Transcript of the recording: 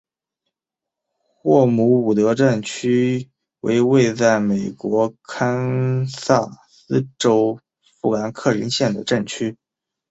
霍姆伍德镇区为位在美国堪萨斯州富兰克林县的镇区。